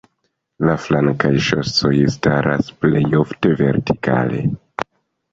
La flankaj ŝosoj staras plej ofte vertikale.